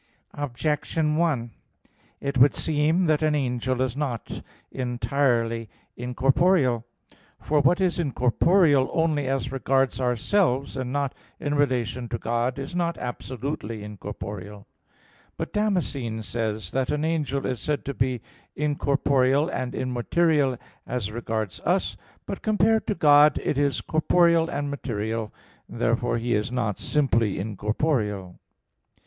Objection 1: It would seem that an angel is not entirely incorporeal. For what is incorporeal only as regards ourselves, and not in relation to God, is not absolutely incorporeal. But Damascene says (De Fide Orth. ii) that "an angel is said to be incorporeal and immaterial as regards us; but compared to God it is corporeal and material. Therefore he is not simply incorporeal."